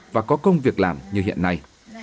và có công việc làm như hiện nay